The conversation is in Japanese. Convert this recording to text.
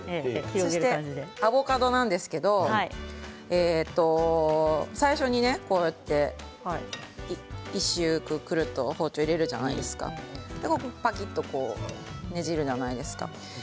アボカドなんですけど最初に１周くるっと包丁入れるじゃないですかばきっとねじるじゃないですか。